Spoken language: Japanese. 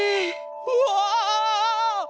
うわ！